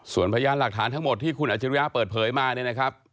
ส่วนพญานหลักฐานทั้งหมดที่คุณนัทเชียร์เดลิยะเปิดเผยมาเลยนะครับ